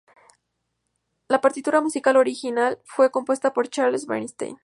La partitura musical original fue compuesta por Charles Bernstein.